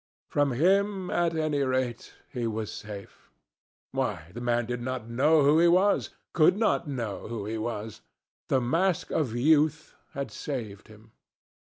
From him, at any rate, he was safe. Why, the man did not know who he was, could not know who he was. The mask of youth had saved him.